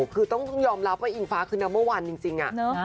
คือต้องยอมรับว่าอิงฟ้าคือนัมเบอร์วันจริง